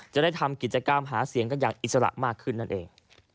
จะได้ทำกิจกรรมหาเสียงกันอย่างอิสระมากขึ้นนั่นเอง